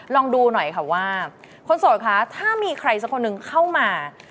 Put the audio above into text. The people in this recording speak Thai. ลองดูหน่อยค่ะว่าคนโสดคะถ้ามีใครสักคนหนึ่งเข้ามา